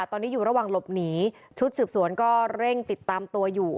ตอนนี้อยู่ระหว่างหลบหนีชุดสืบสวนก็เร่งติดตามตัวอยู่